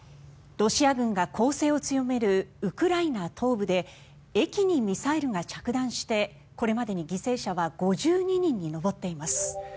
ロシア軍が攻勢を強めるウクライナ東部で駅にミサイルが着弾してこれまでに犠牲者は５２人に上っています。